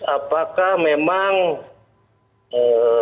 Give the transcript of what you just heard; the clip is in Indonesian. apakah memang eee